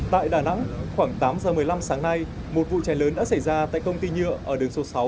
tại đà nẵng khoảng tám giờ một mươi năm sáng nay một vụ cháy lớn đã xảy ra tại công ty nhựa ở đường số sáu